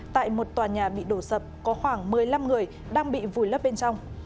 tại một tòa nhà bị đổ sập có khoảng một mươi năm người đang bị vùi lấp bên trong